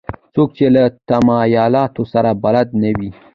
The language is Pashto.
څوک چې له تمایلاتو سره بلد نه وي.